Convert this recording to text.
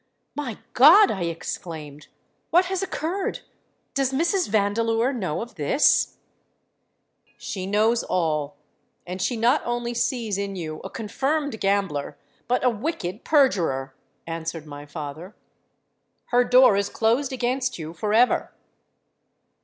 '—'My God!' I exclaimed: 'what has occurred? Does Mrs. Vandeleur know of this?'—'She knows all; and she not only sees in you a confirmed gambler, but a wicked perjurer,' answered my father. 'Her door is closed against you for ever.'